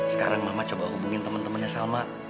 sekarang mama coba hubungin temen temennya sama